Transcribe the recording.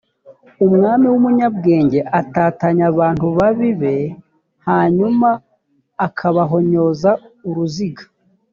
umwami w umunyabwenge atatanya abantu babi b hanyuma akabahonyoza uruziga